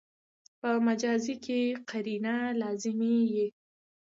په مجاز کښي قرینه لازمي يي.